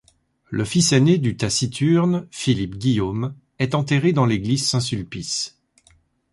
Le fils ainé du Taciturne, Philippe-Guillaume, est enterré dans l'église Saint-Sulpice.